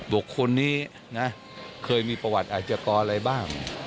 บุคคลนี้นะเคยมีประวัติอาชกรอะไรบ้าง